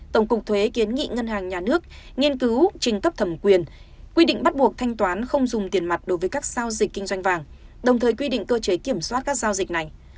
tổng cục thuế kiến nghị ngân hàng nhà nước nghiên cứu trình cấp thẩm quyền quy định bắt buộc thanh toán không dùng tiền mặt đối với các giao dịch kinh doanh vàng đồng thời quy định cơ chế kiểm soát các giao dịch này